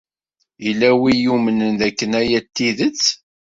Yella wi yumnen dakken aya d tidet?